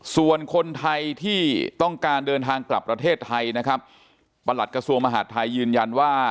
ส่วนคนไทยที่ต้องการเดินทางกลับประเทศไทยนะครับประหลัดกระทรวงมหาดไทยยืนยันว่า